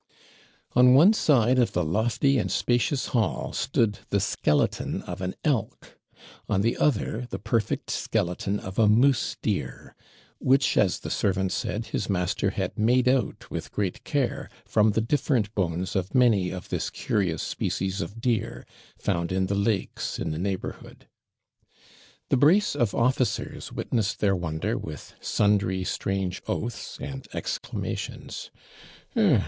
On one side of the lofty and spacious hall stood the skeleton of an elk; on the other side, the perfect skeleton of a moose deer, which, as the servant said, his master had made out, with great care, from the different bones of many of this curious species of deer, found in the lakes in the neighbourhood. The brace of officers witnessed their wonder with sundry strange oaths and exclamations.